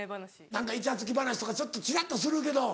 何かイチャつき話とかちょっとチラっとするけど。